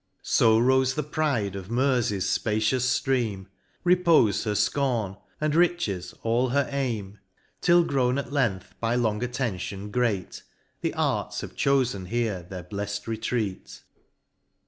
So rofe the pride of Mersey's fpacious ftream, Repofe her fcorn, and riches all her aim : Till grown at length by long attention great, The Arts have chofen here their bleft retreat.